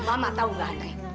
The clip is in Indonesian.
mama tau gak teh